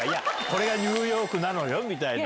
これがニューヨークなのよみたいな。